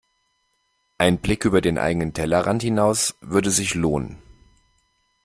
Ein Blick über den eigenen Tellerrand hinaus würde sich lohnen.